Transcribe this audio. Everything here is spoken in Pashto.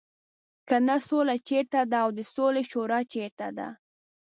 کنه سوله چېرته ده او د سولې شورا چېرته ده.